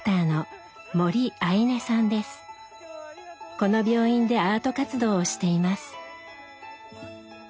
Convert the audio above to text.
この病院でアート活動をしています。